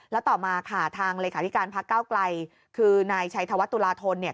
แล้วต่อมาค่ะทางเลขาธิการพักเก้าไกลคือนายชัยธวัฒตุลาธนเนี่ย